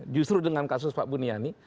justru dengan kasus pak buniani